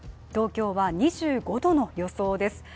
東京は２５度の予想です。